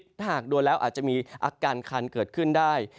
ถ้าหากโดนแล้วอาจจะมีอาการคันเกิดขึ้นได้